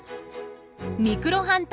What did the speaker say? ミクロハンター